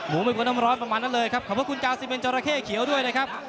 ไม่ควรน้ำร้อนประมาณนั้นเลยครับขอบคุณจาซีเมนจราเข้เขียวด้วยนะครับ